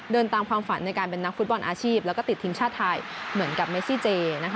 เดินตามความฝันในการเป็นนักฟุตบอลอาชีพแล้วก็ติดทีมชาติไทยเหมือนกับเมซี่เจนะคะ